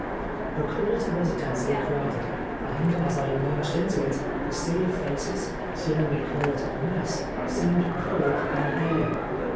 The court was densely crowded, and as I emerged into it, the sea of faces, suddenly caught en masse, seemed cold and alien.